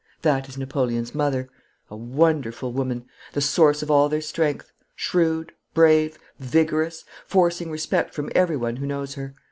That is Napoleon's mother a wonderful woman, the source of all their strength, shrewd, brave, vigorous, forcing respect from everyone who knows her.